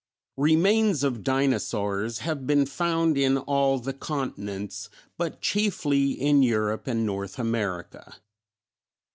Remains of Dinosaurs have been found in all the continents, but chiefly in Europe and North America.